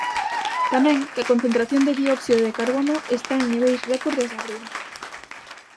Tamén, que a concentración de dióxido de carbono está en niveis récord desde abril.